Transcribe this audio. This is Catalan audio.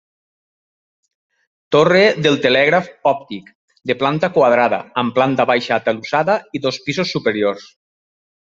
Torre del telègraf òptic, de planta quadrada, amb planta baixa atalussada i dos pisos superiors.